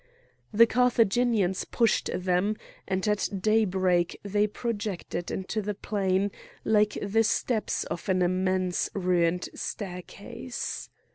The Carthaginians pushed them, and at daybreak they projected into the plain like the steps of an immense ruined staircase.